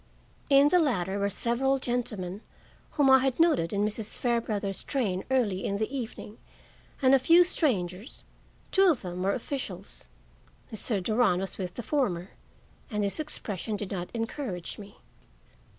In the latter were several gentlemen whom I had noted in Mrs. Fairbrother's train early in the evening and a few strangers, two of whom were officials. Mr. Durand was with the former, and his expression did not encourage me.